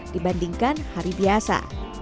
dibandingkan hari biasa